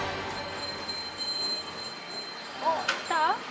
おっ来た？